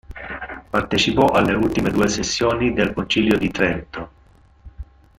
Partecipò alle ultime due sessioni del concilio di Trento.